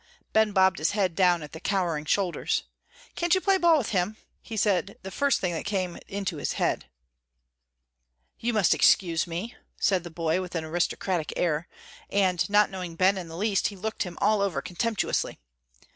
Ben bobbed his head down at the cowering shoulders. "Can't you play ball with him?" He said the first thing that came into his head. "You must excuse me," said the boy, with an aristocratic air, and, not knowing Ben in the least, he looked him all over contemptuously.